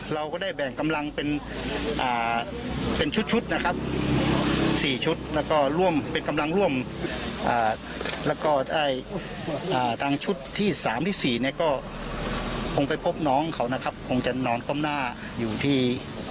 เราก็ได้แบ่งกำลังเป็นชุดนะครับ๔ชุดแล้วก็ร่วมเป็นกำลังร่วมแล้วก็ได้ทางชุดที่๓ที่๔เนี่ยก็คงไปพบน้องเขานะครับคงจะนอนก้มหน้าอยู่ที่